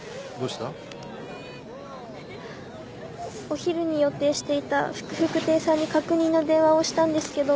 お昼に予定していた福々亭さんに確認の電話をしたんですけど。